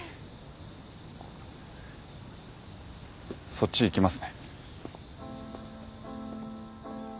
そっち行きますね。